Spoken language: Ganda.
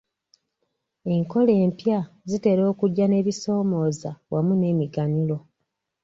Enkola empya zitera okujja n'ebisoomooza wamu n'emiganyulo.